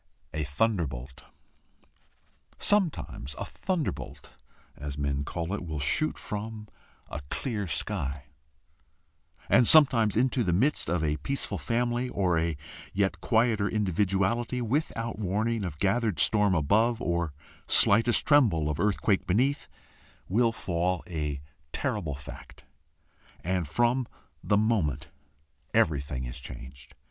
A THUNDERBOLT. Sometimes a thunderbolt, as men call it, will shoot from a clear sky; and sometimes into the midst of a peaceful family, or a yet quieter individuality, without warning of gathered storm above, or lightest tremble of earthquake beneath, will fall a terrible fact, and from the moment everything is changed.